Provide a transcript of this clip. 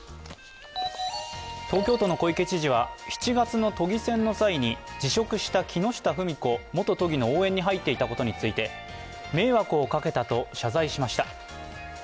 東京都の小池知事は７月の都議選の際に辞職した木下富美子元都議の応援に入っていたことについて迷惑をかけたと謝罪しました。